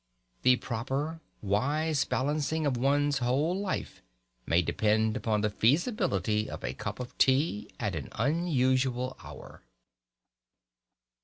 The proper, wise balancing of one's whole life may depend upon the feasibility of a cup of tea at an unusual hour.